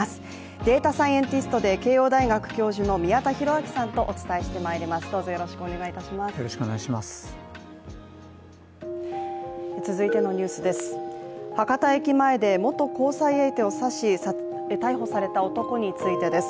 データサイエンティストで慶応大学教授の宮田裕章さんとお伝えしていきます。